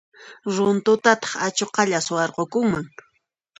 Runtutataq achuqalla suwarqukunman.